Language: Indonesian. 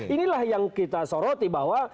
inilah yang kita soroti bahwa